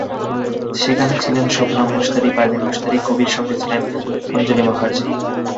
সেখানে ছিলেন শবনম মুশতারি, পারভিন মুশতারি, কবির সঙ্গে এসেছিলেন অঞ্জলি মুখার্জি।